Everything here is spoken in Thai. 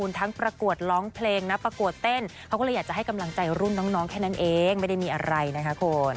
ใช่ครับผมว่าใครหลายคนก็คงจะเจอ